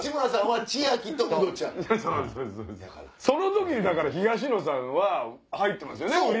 その時にだから東野さんは入ってますよね。